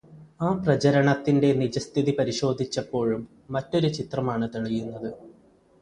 ആ പ്രചരണത്തിന്റെ നിജസ്ഥിതി പരിശോധിച്ചപ്പോഴും മറ്റൊരു ചിത്രമാണ് തെളിയുന്നത്.